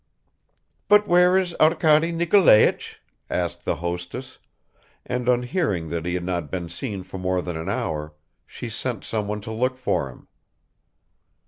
"But where is Arkady Nikolaich?" asked the hostess, and on hearing that he had not been seen for more than an hour, she sent someone to look for him.